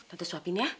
tante suapin ya